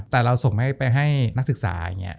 แต่เราส่งไปให้นักศึกษา